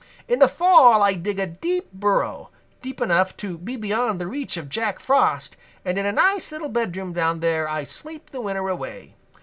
In the fall I dig a deep burrow, deep enough to be beyond the reach of Jack Frost, and in a nice little bedroom down there I sleep the winter away.